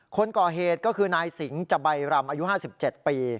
คนก่อเหตุก็คือนายสิงจใบรำอายุ๕๗ปี